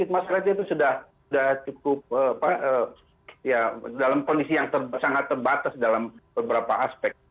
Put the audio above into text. mas kreditnya itu sudah cukup dalam kondisi yang sangat terbatas dalam beberapa aspek